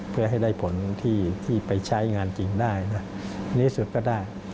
เพื่อให้ได้ผลที่ไปใช้งานจริงได้ในที่สุดก็ได้